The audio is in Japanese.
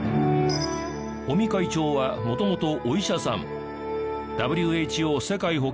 尾身会長は元々お医者さん。